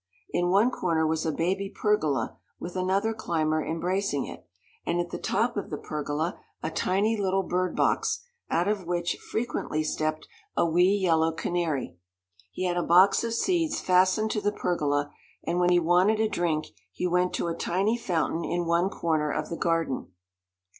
In one corner was a baby pergola with another climber embracing it, and at the top of the pergola a tiny little bird box, out of which frequently stepped a wee yellow canary. He had a box of seeds fastened to the pergola, and when he wanted a drink, he went to a tiny fountain in one corner of the garden.